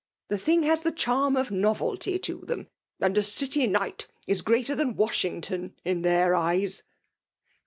The thing has the charm of novehj to thesai ; and a dty knight is greater than Wasfauagton in their eyes